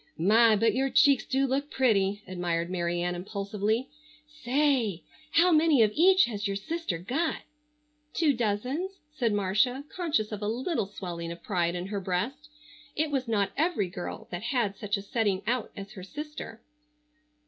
"My, but your cheeks do look pretty," admired Mary Ann impulsively. "Say, how many of each has your sister got?" "Two dozens," said Marcia conscious of a little swelling of pride in her breast. It was not every girl that had such a setting out as her sister.